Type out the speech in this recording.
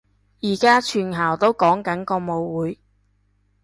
而家全校都講緊個舞會